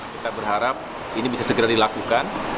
kita berharap ini bisa segera dilakukan